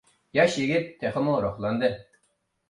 ياش يىگىت تېخىمۇ روھلاندى.